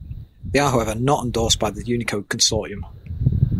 They are however not endorsed by the Unicode Consortium.